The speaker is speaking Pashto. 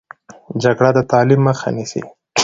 جګړه د تعلیم مخه نیسي